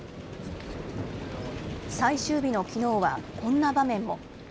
最終日のきのうは、こんな場面も。